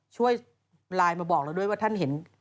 ช่วยไลน์มาบอกเราด้วยว่าท่านเห็น